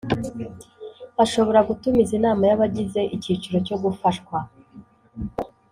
Ashobora gutumiza inama y’abagize icyiciro cyo gufashwa